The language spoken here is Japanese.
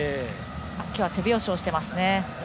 今日は手拍子をしていますね。